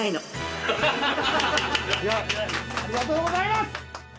ありがとうございます。